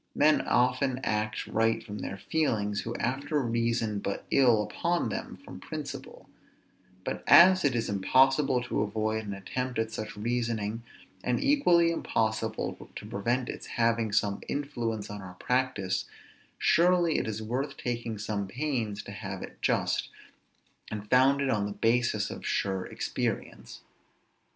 Men often act right from their feelings, who afterwards reason but ill on them from principle; but as it is impossible to avoid an attempt at such reasoning, and equally impossible to prevent its having some influence on our practice, surely it is worth taking some pains to have it just, and founded on the basis of sure experience.